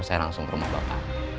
saya langsung ke rumah bapak